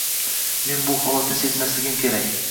Men bu holatni sezmasligim kerak